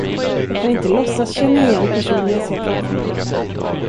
Jag kan inte låtsas känna igen personen jag ser framför mig.